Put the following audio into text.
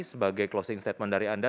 sebagai closing statement dari anda